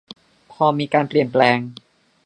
พอมีการเปลี่ยนแปลง